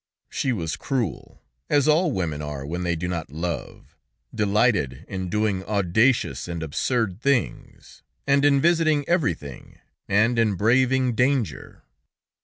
She was cruel, as all women are when they do not love, delighted in doing audacious and absurd things, and in visiting everything, and in braving danger.